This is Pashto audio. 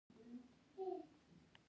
ایا زه باید د مننجیت واکسین وکړم؟